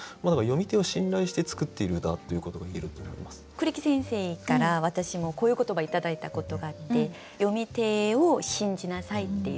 栗木先生から私もこういう言葉頂いたことがあって「読み手を信じなさい」っていう。